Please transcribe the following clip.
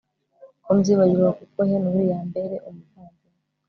ko mbyibagirwa kuko Henry yambere umuvandimwe